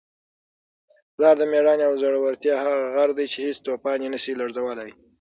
پلار د مېړانې او زړورتیا هغه غر دی چي هیڅ توپان یې نسي لړزولی.